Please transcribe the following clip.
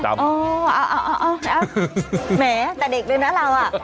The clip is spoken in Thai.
โอ้เอ้าแต่เด็กด้วยนะเรา